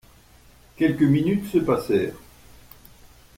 Quelques minutes se passèrent.